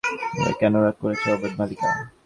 কেন রাগ করিয়াছ অবোধ বালিকা?